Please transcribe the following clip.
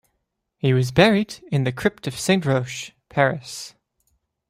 He was buried in the crypt of Saint-Roch, Paris.